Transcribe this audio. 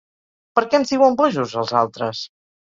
Per què ens diuen bojos, els altres?